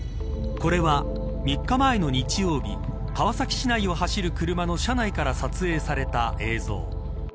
これは３日前の日曜日川崎市内を走る車の車内から撮影された映像。